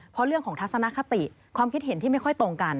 เพราะเรื่องของทัศนคติความคิดเห็นที่ไม่ค่อยตรงกัน